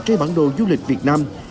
trên bản đồ du lịch việt nam